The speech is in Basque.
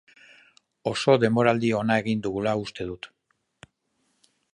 Oso denboraldi ona egin dugula uste dut.